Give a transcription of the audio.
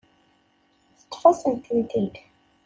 Teṭṭef-asen-tent-id.